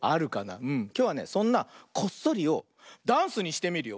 きょうはねそんなこっそりをダンスにしてみるよ。